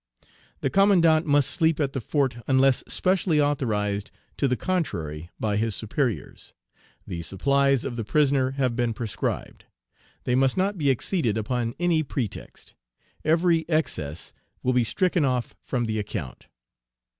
The commandant must sleep at the fort unless specially authorized to the contrary by his superiors. The supplies of the prisoner have been prescribed. They must not be exceeded upon any pretext. Every excess will be stricken off from the account."